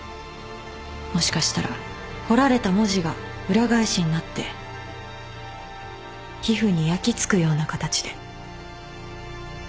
もしかしたら彫られた文字が裏返しになって皮膚に焼き付くような形で。